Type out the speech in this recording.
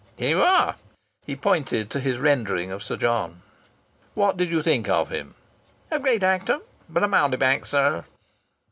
Here you are!" He pointed to his rendering of Sir John. "What did you think of him?" "A great actor, but a mountebank, sir."